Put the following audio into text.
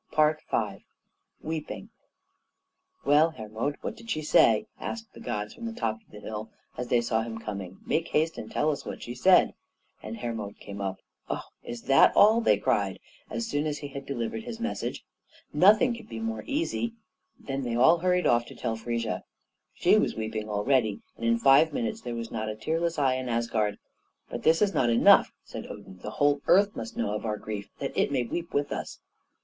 V WEEPING "Well, Hermod, what did she say?" asked the gods from the top of the hill as they saw him coming; "make haste and tell us what she said." And Hermod came up. "Oh! is that all?" they cried, as soon as he had delivered his message. "Nothing can be more easy," and then they all hurried off to tell Frigga. She was weeping already, and in five minutes there was not a tearless eye in Asgard. "But this is not enough," said Odin; "the whole earth must know of our grief that it may weep with us."